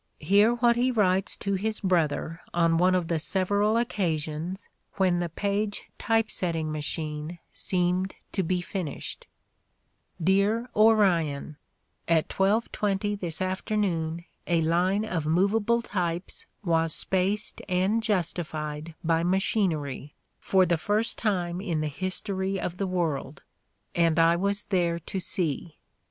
Hear what he writes to his brother on one of the several occasions when the Paige Typesetting Machine seemed to be finished: "Dear Orion — At 12:20 this afternoon a line of movable types was spaced and justified by machinery, for the first time in the history of the world: and I was there to see.